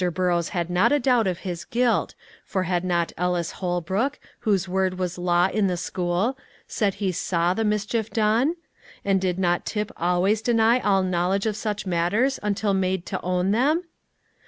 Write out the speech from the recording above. Burrows had not a doubt of his guilt, for had not Ellis Holbrook, whose word was law in the school, said he saw the mischief done? and did not Tip always deny all knowledge of such matters until made to own them?